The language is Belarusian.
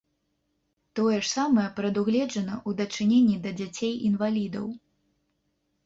Тое ж самае прадугледжана ў дачыненні да дзяцей-інвалідаў.